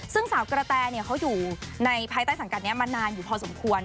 ซึ่งสาวกระแตเขาอยู่ในภายใต้สังกัดนี้มานานอยู่พอสมควร